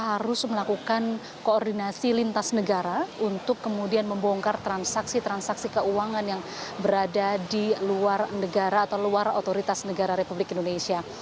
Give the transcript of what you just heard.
harus melakukan koordinasi lintas negara untuk kemudian membongkar transaksi transaksi keuangan yang berada di luar negara atau luar otoritas negara republik indonesia